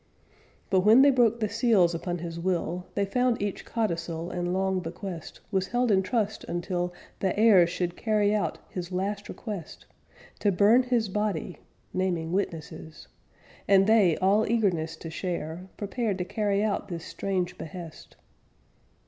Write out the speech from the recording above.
But when they broke the seals upon his will, They found each codicil and long bequest Was held in trust until The heirs should carry out his last request To burn his body (naming witnesses); And they, all eagerness to share, Prepared to carry out this strange behest.